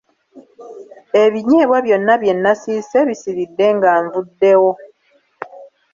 Ebinyeebwa byonna bye nasiise bisiiridde nga nvuddewo.